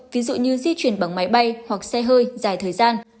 ví dụ như di chuyển bằng máy bay hoặc xe hơi dài thời gian